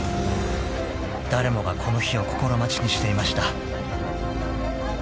［誰もがこの日を心待ちにしていました］